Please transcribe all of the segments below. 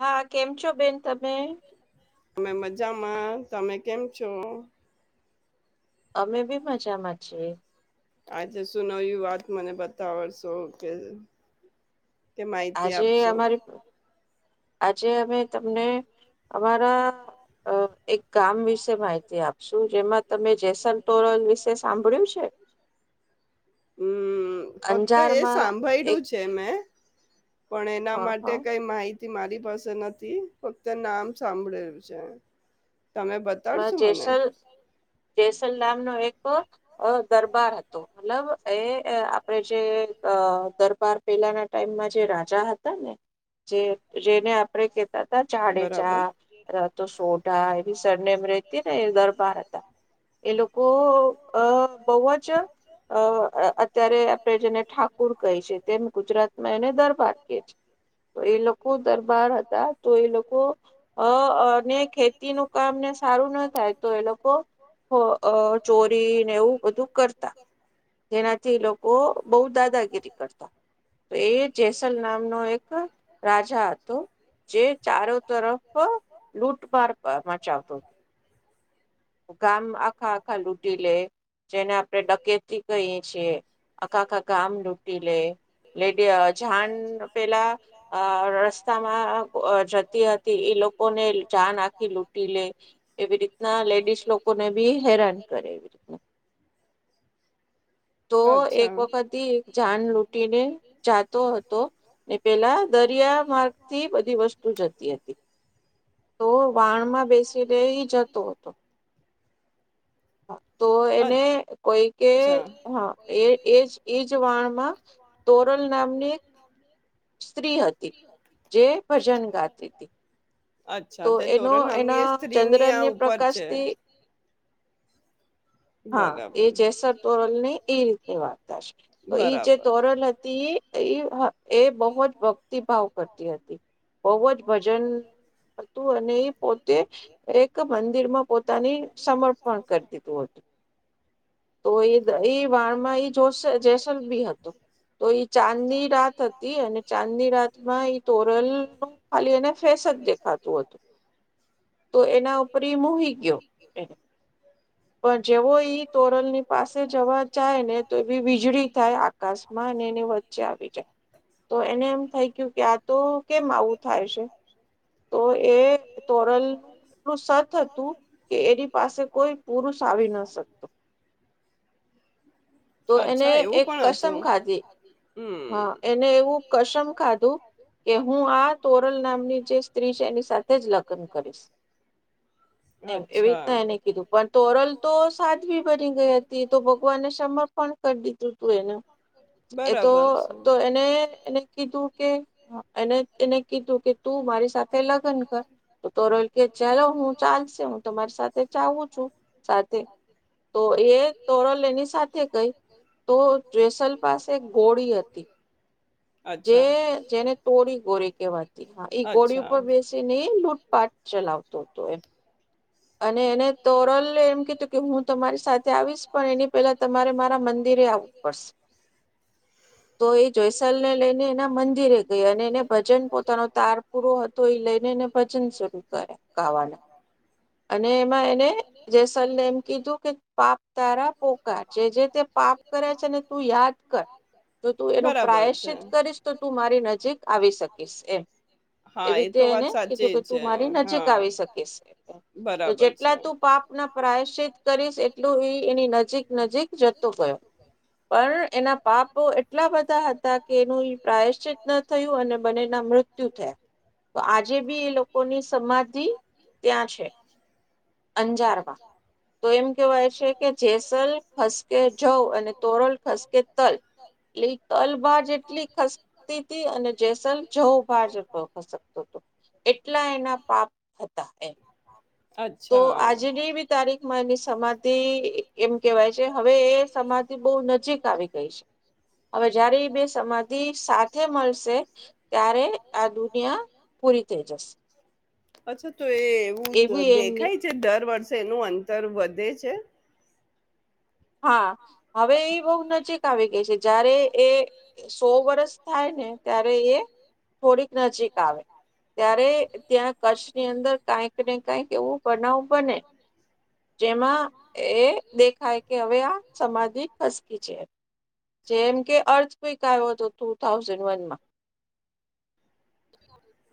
હા, કેમ છો બેન તમે? અમે મજામાં. તમે કેમ છો? અમે બી મજામાં છીએ. આજે શું નવી વાત મને બતાવશો કે? આજે અમારી હમ! ફક્ત એ સાંભયડું છે મેં. પણ એના માટે કઈ માહિતી. તે મારી બસ તો નથી. ફક્ત નામ સાંભળેલું છે. એમાં જેસલ-જેસલ નામનો એક અ દરબાર હતો. મતલબ એ આપણેે જે દરબાર પેલાના ટાઈમમાં જે રાજા હતા ને. જે જેને આપરે કેતાતા જાડેજા અથ તો સોઢા એવી નેમ રેતી હતી એ દરબાર હતા. એ લોકો અ બહુ જ અ અ અત્યારે આપણે જેને ઠાકુર કહી છે. તેમ ગુજરાતમાં એને દરબાર કેય છે. એ લોકો દરબાર હતા. તો એ લોકો અ અ ને ખેતીનો ન સારું ન થાય, તો એ લોકો અ અ ચોરીને એવું બધું કરતા. જેનાથી એ લોકો બહુ દાદાગીરી કરતા. તો એ જેસલ નામ નો એક રાજા હતો. જે ચારો તરફ લૂંટ માર ક વા તો ગામ આખા આખા લૂટી લે. જેને આપડે ડકેતી કહીએ. છે. આખા આખા ગામ લૂટી લે. લેડી આ જાન પેલા અ રસ્તામાં અ જતી હતી. એ લોકોને જાન આખી લૂટી લે. એવી રીતના લે - બ લોકોને બી હેરાન કરે એવી રી. તો એક વખતથી એક જાન લૂટીને જાતો હતો ને પેલા દરિયા માર્ગથી બધી વસ્તુ જતી હતી તો વાણ માં બેસી લઈ જતો હતો. તો એને કોઈ કે હા એજ એજ વાણ માં તોરલ નામની સ્ત્રી હતી જે ભજન ગાત હતી. અચ્છા તે તોરણ નામની એ સ્ત્રીની આ ઉપર છે. બરાબર. ર તોરલ નહી એ રીતની વાર્તાશે. તો ઈ જે તોરલ હતી એ બહુ જ ભક્તિભાવ કરતી હતી બહુ જ ભજન. અને એ પોતે એક મંદિર માં પોતાની સમર્પણ કરી દીધું હતું તો એ એ વાણ માં એ જેસલભી હતો તો એ ચાંદની રાત હતી. ચાંદની રાતમાં ઈ તોરલ ખાલી એ ફેસ જ દેખાત. તો એના ઉપર મોહી ગયો એ પણ જેવો ઈ તોરલની પાસે જવા જાય ને તો એ વીજળી થાય આકાશમાં અને એની વચ્ચે આવી જાય. તો એને એમ થઇ ગયું કે આ તો કેમ આવું થાય છે. તો એ તોરલનું એટલું સત હતું કે એની પાસે કોઈ પુરુષ આવી ના શકતો. તો એને એક કસમ ખાધી હા એને. કસમ ખાધું કે હું આ તોરલ નામની જે સ્ત્રી છે એની સાથે જ લગ્ન કરીશ. એવી રીતના એને કીધું પણ તોરલ તો સાધ્વી બની ગઈ હતી તો ભગવાનને સમ કરી દીધું તું એને એ તો. એને કીધું કે એને એને કીધું કે તું મારી સાથે લગ્ન કર તો તોરલ કે ચાલ હું ચાલશે હું તમારી સાથે ચાવું છું સાથે તો એ તોરલ એની સાથે જે જેને તોળી ગોળી કેહેવાતી હા એ ગોળી ઉપર બેસીને લૂટપાટ ચલાવતો હતો એમ. અને એને તોરલ એમ કીધું કે હું તમારી સાથે આવીશ પણ એની પહેલા તમારે મારા મંદિરે આવવું પડશે્, તો એ જોઈ. તલને લઈને એના મંદિરે ગયા અને એને ભજન પોતાનો તાર પૂરો હતો એ લઈને એને ભજન શરૂ કર્યા ગાવાના. અને એમાં એને જેસલને એમ કીધું કે પાપ તારા પોકા જે જે તે પાપ કરે છે ને તું યાદ કર જો તું એનું પ્રાયશ્ચિત કરીશ તો તું મારી નજીક આવી શકીશ એમ એવી રીતે એને કીધું કે તું મારી નજીક આવી શકીશ. તો જેટલા તું પાપ ના પ્રાયસે. કરીશ એટલું એની નજીક નજીક જતો ગયો પણ એના પાપ એટલા બધા હતા કે એનું પ્રાયશ્ચિત ન થયું અને બનેના મૃત્યુ થયા તો આજે બી એ લોકોની સમાધિ. ક્યાં છે? અંજારબા તો એમ કહેવાય છે કે જેસલ ખસકે જોવ અને તોરલ ખસકે તલ, એટલી તલભાર જેટલી ખસતી તી અને જેસલ જોવ ભાર જાપો ખસકતો હતો, એટલા એના પાપ હતા એ. તો આજની બી તારીખ મા [inaudible] અછા તો એવું ખાય છે દર વર્ષ તેનું અન તર વધે છે. હા હવે એ બહુ નજીક આવી ગઈ છે, જયારે એ સો વરષ થાય ને ત્યારે દ એ થોડીક નજીક આવે ત્યારે ત્યાં કચ્છની અંદર કાઈક ને કાઈક એવું બનાવ બને જેમાં એ દેખાય હવે આ સમાધિ ખસકી છે. જેમ કે અર્થક્વેક આવ્યો હતો ટુ થાઉઝન્ડ વનમાં.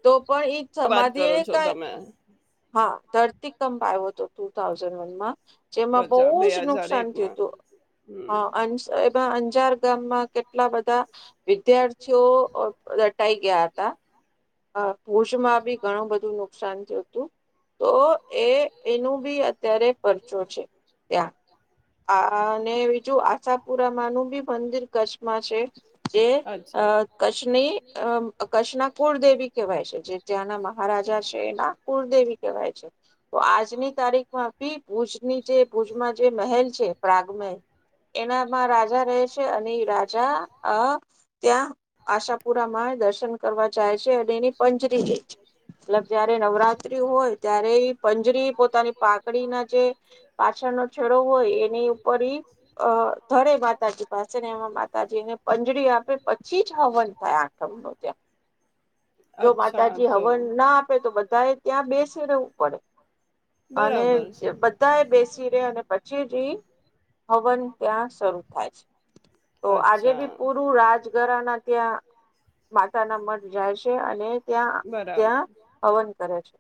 તો પણ ઈચ્છા માધીને કઈ [unintelligible] હા ધરતી કંપ આવ્યો તો ટુ થાઉઝન્ડ વન માં. જેમાં બહુ જ નુકસાન થયુંતું. હા, અંશ અંજાર ગામમાં કેટલા બધા વિદ્યાર્થીઓ રટાઈ ગયા હતા. આ ભુજમાં બી ઘણું બધું નુકસાન થયું હતું, તો એ એનું બી અત્યારે પરચો છે ત્યાં. આ અને બીજું આશાપુરામાં નું બી મંદિર કચ્છમાં છે. જે જે અ કચ્છની અ કચ્છના કુળદેવી કહેવાય છે, જે ત્યાંના મહારાજા છે એના કુળદેવી કહેવાય છે. તો આજની તારીખમાં બી ભુજની જે ભુજમાં જે મહેલ છે પ્રાગમય, એનામાં રાજા રહે છે અને રાજા આ ત્યાં આશાપુરા માં દર્શન કરવા જાય છે. એની પંજરી, જયારે નવરાત્રી હોય ત્યારે એ પંજરી પોતાની પાકડી ના જે પાછળનો છેડો હોય એ ની ઉપર ઈ અ ધરે માતાજી પાસે ને એમાં માતાજીને પંજડી આપે પછી જ હવન થાય આઠમ નો ત્યાં. જો માતાજી હવન ના આપે તો બધાએ ત્યાં બેસી રહેવું પડે અને બધા એ બેસી રે અને પછી જી હવન ત્યાં શરૂ થાય છે તો આજે બી પૂરું રાજગરા ના ત્યાં માતાના મન જાય છે અને ત્યાં ત્યાં હવન કરે છે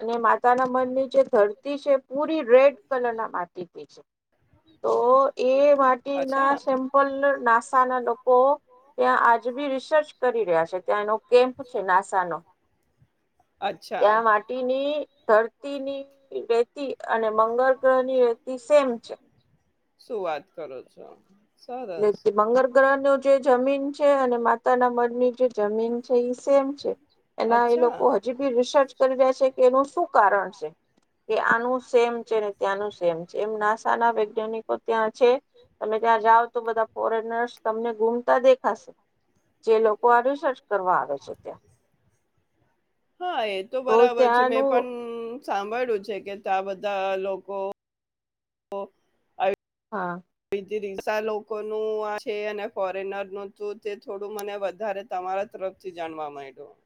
અને માતાના મનની જે ધરતી છે પૂરી રેડ કલર ના માટી ઠીક છે. તો એ માટીના સેમ્પલ નાસાના લોકો ત્યાં આજ બી રિસર્ચ કરી રહ્યા છે ત્યાં એનો કેમ્પ છે નાસાનો ત્યાં માટીની ધરતીની રેતી અને મંગળ ગ્રહની રેતી સેમ છે. શું વાત કરો છો. લે મંગળ ગ્રહ ન જે જમીન છે અને માતાના મનની જે જમીન છે એ સેમ છે એના એ લોકો હજી બી રિસર્ચ કરી રહ્યા છે કે એનું શું કારણ છે કે આનું સેમ છે અનેને ત્યાંનું સેમ છે એમ નાસ ના વૈજ્ઞાનિકો ત્યાં છે તમે ત્યાં જાવ તો બધા ફોરેનર્સ તમને ગુમતા દેખાશે જે લોકો આ રિસર્ચ કરવા આવે છે ત્યાં તો ત્યાંનું. સાંભળ્યું છે કે ત્યા બધા લોકો. તો આુ હા. રીસા લોકોનું આ છે અને ફોરેનર ન તે થોડું મને વધારે તમારા તરફથી જાણવા મળ્યું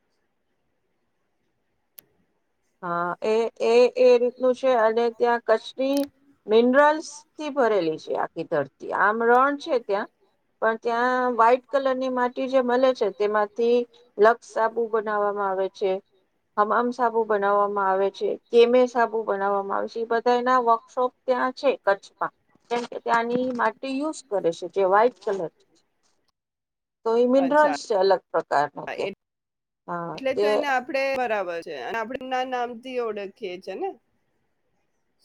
હા એ એ એ રીતનું છે અને ત્યાં કચ્છની મિનરલ્સ થી ભરેલી છે આખી ધરતી આમ રણ છે ત્યાં પણ ત્યાં વ્હાઈટ કલરની માટી જે મળે છે તેમાંથી લક્ષ સાબુ બનાવામાં આવે છે, અને હમામ સાબુ. પણ બનાવામાં આવે છે. નવામાં આવે છે કેમે સાબુ બનાવવામાં આવે છે એ બધા એના વર્કશોપ ત્યાં છે કચ્છમાં કેમકે ત્યાંની માટી કરે છે જે વ્હાઈટ કલર તો એ મિનરલ્સ અલગ. પ્રકાર ન ક્યાં. એટલે તો એને આપડે બરાબર બર છે આપડ ના નામ થી ઓળખીએ છે ને.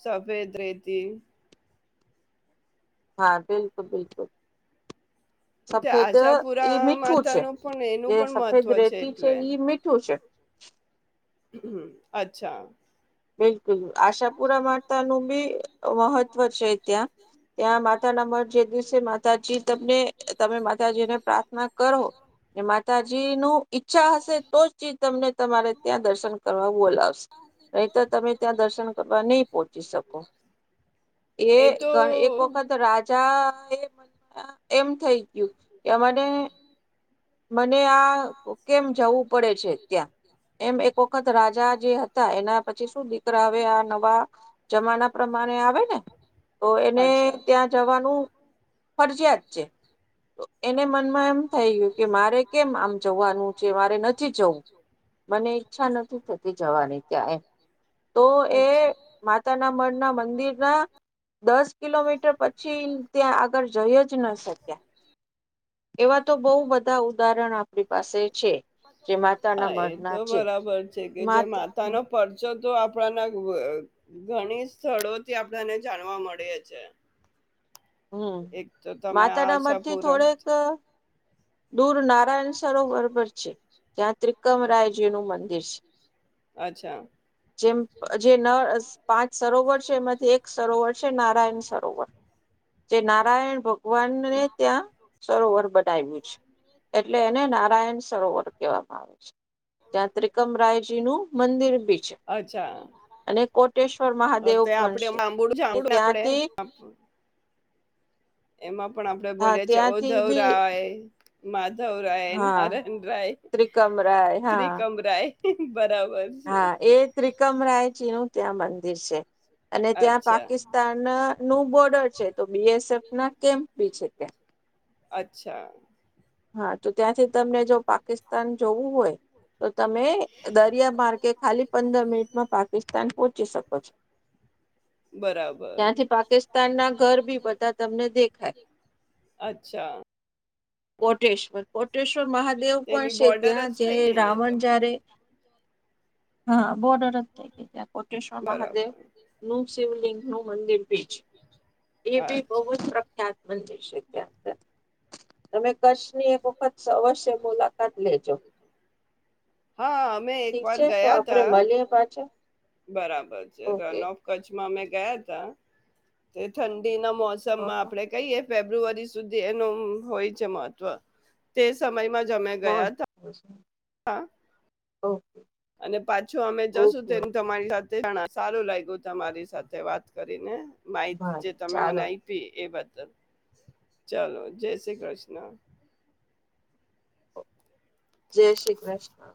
સફેદ રેતી. હા બિલકુલ બિલકુલ. સફેદ ઈ મીઠું છે જે સફેદ રેતી છે ઈ મીઠું છે. હમ્મ અચ્છા. બિલકુલ આશાપુરા માતાનું બી મહત્વ છે ત્યાં. ત્યાં માતાના મર જે દિવસે માતાજી તમને તમે માતાજી ને પ્રાર્થના કરો ને માતાજી નું ઈચ્છા હશે તો જ ચીજ તમને તમારે ત્યાં દર્શન કરવા. બોલાવશ નહી તો તમે ત્યાં દર્શન કરવા નહી પહોંચી શકો એ એક વખત રાજા એ મનમાં એમ થઇ ગયું કે અમારે. મને આ કેમ જવું પડે છે ત્યાં એમ એક વખત રાજા જે હતા એના. પછી શું દીકરા આવે આ નવા જમાના પ્રમાણે આવે ને તો એને ત્યાં જવાનું ફરજયાત છે. એને મનમાં એમ થઈ ગયું કે મારે કેમ આમ જવાનું છે મારે નથી જવું મને ઈચ્છા નથી થતી જવાની કાહે. તો એ માતાના મઢ ના મંદિરના દસ કિલોમીટર પછી ત્યાં આગળ જય જ ન શક્યા એવા તો બહુ બધા ઉદાહરણ આપણી પાસે છે જે માતાના મરના છે માત તો આપણાના ઘણી સ્થળોથી આપણને જાણવા મળે છે. હમ માતાના મતથી થોડેક દૂર નારાયણસરો બરોબર પછી યાત્રી કમરાયજી નું મંદિર છે જેમ જે ન પાંચ સરોવર છે, એમાંથી એક સરોવર છે, નારાયણ સરોવર. જે નારાયણ ભ વાનડે ત્યાં સરોવર બનાવ્યું છે, એટલે એને નારાયણ સરોવર દેવા આવે છે, યાત્રીકમ રાઈ જીમો મંદિર પીછે કોટેશ્વર મહાદેવ પણ છે, અને ત્યાંથી એમાં.. [unintelligible] પણ આપણે બોલે છે, ઓઢવ રાય મા વરાયને આરણ રાય ત્રિકમ રાય [unintelligible] હા એક વિક્રમ રાય શેનો ક્યાંય. દરશે એ છે અને ત્યાં પાકિસ્તાન નું બોર્ડર છે, તો બીએસએફ ના કેમ્પ બી છે કેમ અચ્છા હા તો ત્યાંથી તમને જો પાકિસ્તાન જોવું હોય, તો તમે દરિયા માર્ગે ખાલી પંદર મિનિટમાં પાકિસ્તાન પહોંચી શકો છો, ત્યાંથી પાકિસ્તાનના ઘર બી બધા તમને દેખાય. કોટેેશ્વર કોટેશ્વર મહાદેવ પણ છે, ત્યાં જે રાવણ જ્યારે હા, બોર્ડર જ થ કે કોટેશ્વર મહાદેવ નૂ શિવલિંગ મંદિર ભી છે એ બી બહુત પ્રખ્યાત... મંતી શકે્યા હતા હા અમે એક વાર ગયા તા બરાબર છે રન ઓફ કચ્છમાં અમે.. ગયા ત તે ઠંડીના મોસમમાં આપણે કહીએ ફેબ્રુઆરી સુધી એનું હોય છે મત. ત્વ તે સમયમાં. [inaudible] હા. ઓહ! અને પાછું અમે જશું તો [unintelligible] તમારી સાથે [unintelligible] સારું લાયગું તમારી સાથે વાત કરીને. માહિતી જે તમે મને આયપી એ બધ ચાલો, જય શ્રી કૃષ્ણ. જય શ્રી કૃષ્ણ.